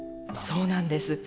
そうなんです。